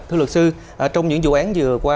thưa luật sư trong những vụ án vừa qua